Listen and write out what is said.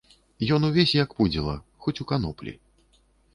Ён увесь як пудзіла, хоць у каноплі.